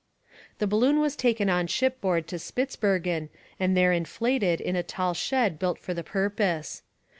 The balloon was taken on shipboard to Spitzbergen and there inflated in a tall shed built for the purpose.